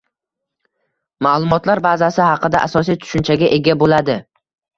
Ma’lumotlar bazasi haqida asosiy tushunchaga ega bo’ladi